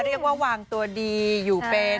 เรียกว่าวางตัวดีอยู่เป็น